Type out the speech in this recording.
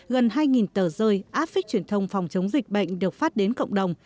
gần hai tờ rơi áp phích truyền thông phòng chống dịch bệnh được phát đến cộng đồng